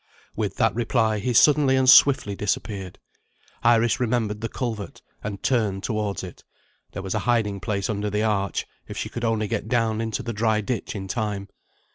With that reply, he suddenly and swiftly disappeared. Iris remembered the culvert, and turned towards it. There was a hiding place under the arch, if she could only get down into the dry ditch in time.